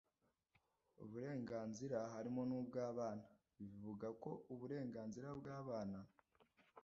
uburenganzira harimo n'ubw'abana, bivuga ko uburenganzira bw'abana